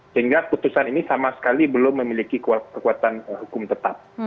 sehingga putusan ini sama sekali belum memiliki kekuatan hukum tetap